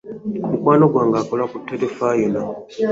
Mukwano gwange akola ku terefayina.